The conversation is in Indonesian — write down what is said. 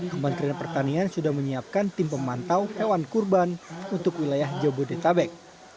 kementerian pertanian sudah menyiapkan tim pemantau hewan kurban untuk wilayah jabodetabek